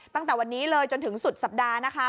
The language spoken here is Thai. ตั้งแต่วันนี้เลยจนถึงสุดสัปดาห์นะคะ